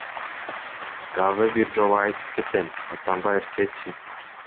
Дагы бир жолу айтып кетем, Атамбаев кетсин!